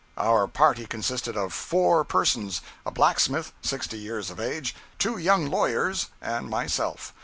Our party consisted of four persons—a blacksmith sixty years of age, two young lawyers, and myself.